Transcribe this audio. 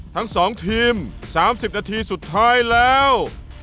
ทั้ง๒ทีม๓๐นาทีสุดท้ายแล้ว